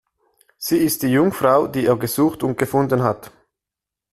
Sie ist die Jungfrau, die er gesucht und gefunden hat.